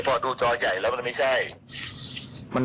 พอดูจอใหญ่แล้วมันไม่ใช่